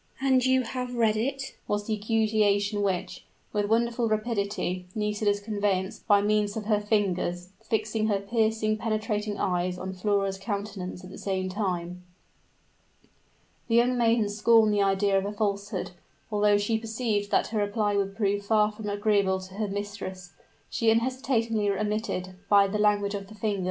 "And you have read it!" was the accusation which, with wonderful rapidity, Nisida conveyed by means of her fingers fixing her piercing, penetrating eyes on Flora's countenance at the same time. The young maiden scorned the idea of a falsehood; although she perceived that her reply would prove far from agreeable to her mistress, she unhesitatingly admitted, by the language of the hands.